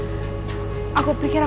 aku pikir aku bakal menghilangnya